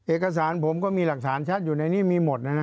เอกสารผมก็มีหลักฐานชัดอยู่ในนี้มีหมดนะฮะ